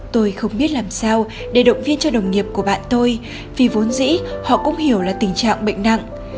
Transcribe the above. tôi không biết làm sao để động viên cho đồng nghiệp của bạn tôi vì vốn dĩ họ cũng hiểu là tình trạng bệnh nặng